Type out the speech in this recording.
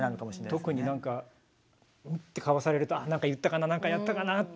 特に何か「うん？」って顔されるとあっ何か言ったかな何かやったかなって。